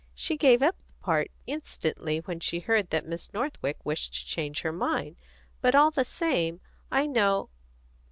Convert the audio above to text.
She gave up the part instantly when she heard that Miss Northwick wished to change her mind, but all the same I know